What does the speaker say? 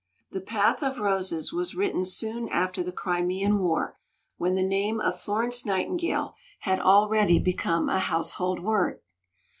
"The Path of Roses" was written soon after the Crimean War, when the name of Florence Nightingale had already become a household word.